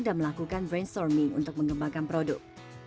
dan melakukan brainstorming untuk mengembangkan produk